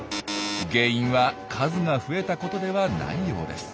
原因は数が増えたことではないようです。